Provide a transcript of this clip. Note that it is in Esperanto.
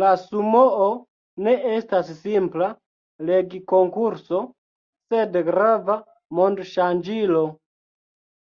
La Sumoo ne estas simpla legkonkurso, sed grava mond-ŝanĝilo.